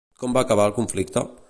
Com va acabar el conflicte?